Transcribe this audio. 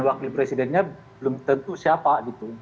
wakil presidennya belum tentu siapa gitu